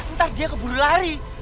ntar dia keburu lari